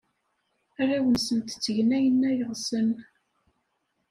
Arraw-nsent ttgen ayen ay ɣsen.